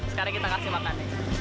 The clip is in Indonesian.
sekarang kita kasih makan